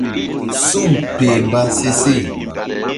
Suŋ peh mba se seh.